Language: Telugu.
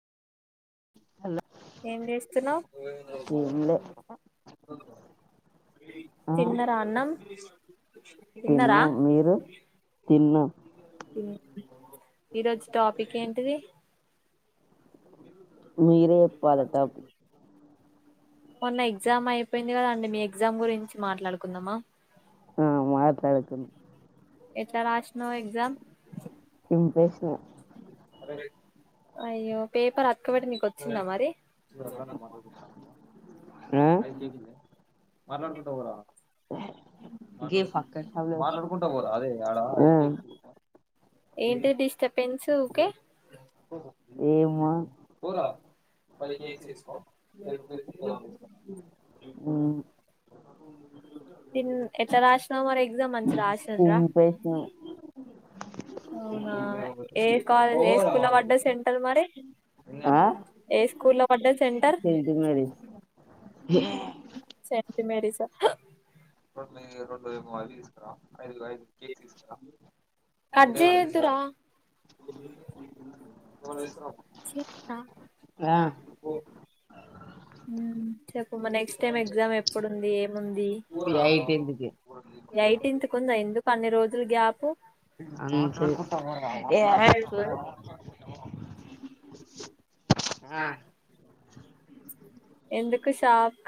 హలో ఏం చేస్తున్నావ్ టూర్ పోయిన తిన్నరా అన్నం తిన్నరా తిన్నం తిన్ ఈ రోజు టాపిక్ ఏంటిది మీరే చెప్పలే టాపిక్ మొన్న ఎగ్జామ్ అయిపోయింది కదండి మీ ఎగ్జామ్ గురించి మాట్లాడుకుందామా ఆ మాట్లడుకుందాం ఎట్ల రాష్ నో ఎగ్జమ్ హ అరేయ్ అయ్యో పేపర్ అత్ ఇక్కబటి నీకు వచ్చిందా మరి మలాడు పె పోరా క్క మాట్లాడుకుంటా పోరా అదే ఎడా ఏంటి డిస్టర్బెన్సు ఊకే ఏమ్ పరా పసుకో ఎట్లా రాసిన మరి ఎగజా అ రా చింపేసిన అవునా స్కూడ సెంటర్ మరి ఆ ఏ స్కూ లోడ సెంట ఏంటి మరి స ర ర మాలీ ఇరా కట్ చేయొద్దురా ఆ చెప్పమ్మా నెక్స్ట్ టైమ్ ఎగ్జామ్ ఎప్పుడుంది ఈ హైట్ ఎందుకే నైటీన్ కుంద ఎందుకు అన్ని రోజులు గ్యాప్ అంతే ఏ ఆ ఎందుకు సాప్